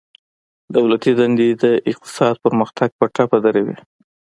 دولتي دندي د اقتصاد پرمختګ په ټپه دروي